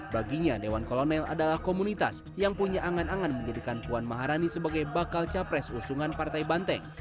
baginya dewan kolonel adalah komunitas yang punya angan angan menjadikan puan maharani sebagai bakal capres usungan partai banteng